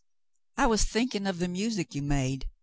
"I was thinking of the music you made.